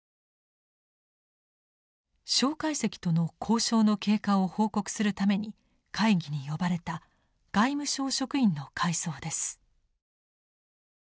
介石との交渉の経過を報告するために会議に呼ばれた外務省職員の回想です。